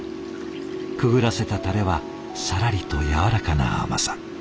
くぐらせたタレはさらりとやわらかな甘さ。